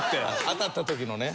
当たった時のね。